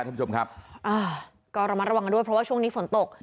ครับอ่าก็เรามาระวังกันด้วยเพราะว่าช่วงนี้ฝนตก